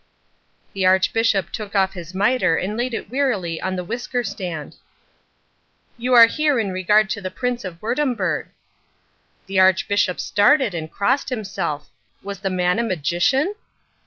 The Archbishop took off his mitre and laid it wearily on the whisker stand. "You are here in regard to the Prince of Wurttemberg." The Archbishop started and crossed himself. Was the man a magician?